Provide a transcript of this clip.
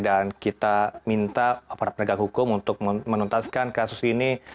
dan kita minta para penegak hukum untuk menuntaskan kasus ini